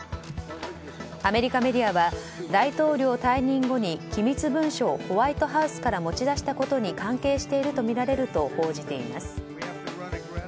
アメリカメディアは大統領退任後に機密文書をホワイトハウスから持ち出したことに関係しているとみられると報じています。